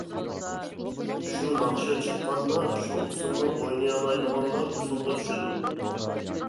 شۇ ناخشا چىققاندا شۇ ئۇسسۇلنى ئوينىيالايدىغانلار ئۇسسۇلغا چۈشىدۇ.